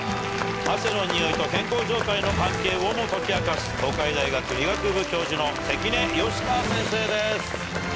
汗のにおいと健康状態の関係をも解き明かす東海大学医学部教授の関根嘉香先生です。